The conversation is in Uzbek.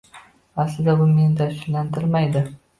aslida bu meni tashvishlantirmaydi.